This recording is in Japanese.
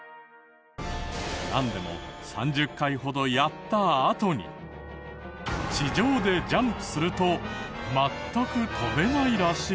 なんでも３０回ほどやったあとに地上でジャンプすると全く跳べないらしい。